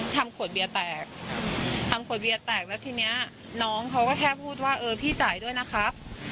ทำขวดเบียร์แตกทำขวดเบียร์แตกแล้วทีนี้น้องเขาก็แค่พูดว่าเออพี่จ่ายด้วยนะครับ